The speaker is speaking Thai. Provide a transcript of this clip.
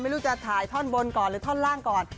ไม่รู้จะถ่ายท่อนบนก่อนหรือท่อนล่างก่อน